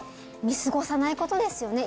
見過ごさないことですよね